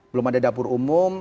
belum ada dapur umum